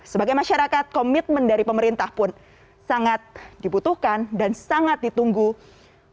sebagai masyarakat komitmen dari pemerintah pun sangat dibutuhkan dan sangat ditunggu untuk bisa menjelaskan